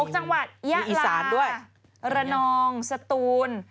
๖จังหวัดยะลาระนองสตูน